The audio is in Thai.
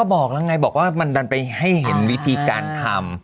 เมื่อกี้เราก็บอกว่ามันดันไปให้เห็นวิธีการทำ